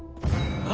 あ！